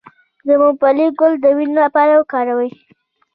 د ممپلی ګل د وینې لپاره وکاروئ